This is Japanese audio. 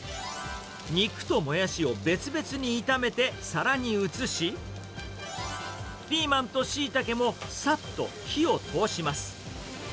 肉とモヤシを別々に炒めて、皿に移し、ピーマンとシイタケもさっと火を通します。